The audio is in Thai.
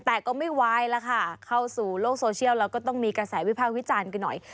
แต่ก็ไม่ไหวแล้วค่ะเข้าสู่โลกโซเชียลแล้วก็ต้องมีกระแสวิภาควิจารณ์กันหน่อย